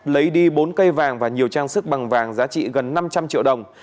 lấy đi bốn cây vàng và nhiều trang sức bằng vàng giá trị gần năm trăm linh triệu đồng